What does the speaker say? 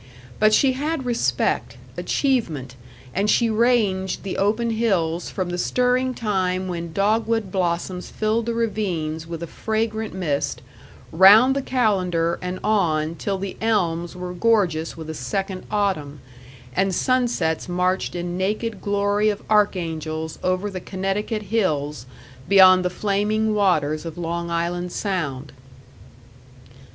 But she had respect, achievement, and she ranged the open hills from the stirring time when dogwood blossoms filled the ravines with a fragrant mist, round the calendar, and on till the elms were gorgeous with a second autumn, and sunsets marched in naked glory of archangels over the Connecticut hills beyond the flaming waters of Long Island Sound.